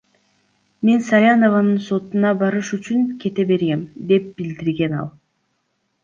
Мен Салянованын сотуна барыш үчүн кете бергем, — деп билдирген ал.